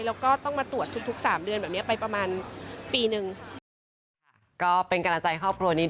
แล้วก็ต้องมาตรวจทุก๓เดือนแบบนี้ไปประมาณปีนึง